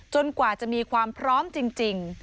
กว่าจะมีความพร้อมจริง